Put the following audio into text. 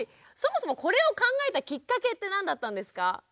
そもそもこれを考えたきっかけって何だったんですか？